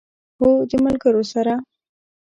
هو، د ملګرو سره